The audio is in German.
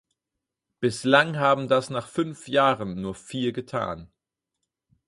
Bislang haben das nach fünf Jahren nur vier getan.